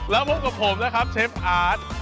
แล้วพบกับผมนะครับเชฟอาร์ต